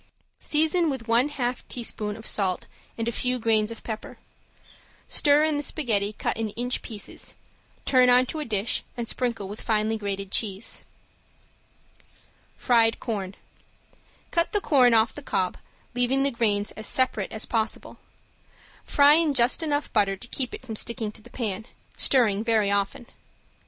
Season with one half teaspoon of salt and a few grains of pepper. Stir in the spaghetti cut in inch pieces, turn on to a dish, and sprinkle with finely grated cheese. ~FRIED CORN~ Cut the corn off the cob, leaving the grains as separate as possible. Fry in just enough butter to keep it from sticking to the pan, stirring very often.